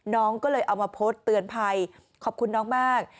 น้องก็เลยเอามาโพสต์เตือนภัยขอบคุณน้องมาก